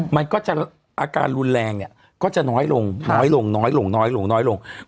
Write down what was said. มันก็จะอาการรุนแรงเนี่ยก็จะน้อยลงน้อยลงน้อยลงน้อยลงน้อยลง